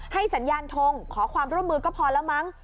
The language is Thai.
สัญญาณทงขอความร่วมมือก็พอแล้วมั้ง